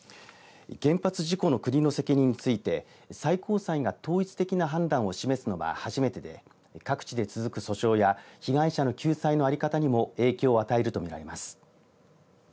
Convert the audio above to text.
原発事故の国の責任について最高裁が統一的な判断を示すのは初めてで各地で続く訴訟や被害者の救済の在り方にも影響を与えるとみられます。